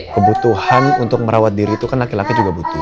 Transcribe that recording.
kebutuhan untuk merawat diri itu kan laki laki juga butuh